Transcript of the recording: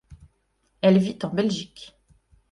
Elle vit en Belgique.